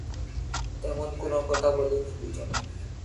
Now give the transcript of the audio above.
তেমন কোন কথা বলিনি দুজনে।